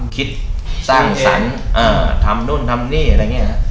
คิดสร้างสรรค์ทำนู่นทำนี่อะไรอย่างนี้